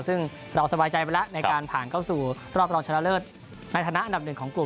ซึ่งเราสบายใจไปแล้วในการผ่านเข้าสู่รอบรองชนะเลิศในฐานะอันดับหนึ่งของกลุ่ม